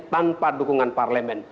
tanpa dukungan parlemen